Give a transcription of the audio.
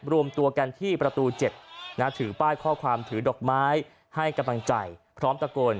รวมตัวกันที่ประตู๗ถือป้ายข้อความถือดอกไม้ให้กำลังใจพร้อมตะโกน